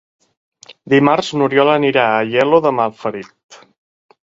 Dimarts n'Oriol anirà a Aielo de Malferit.